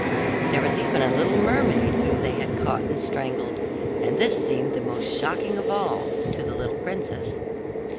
There was even a little mermaid whom they had caught and strangled, and this seemed the most shocking of all to the little princess.